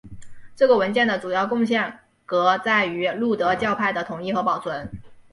这个文件的主要贡献革在于路德教派的统一和保存。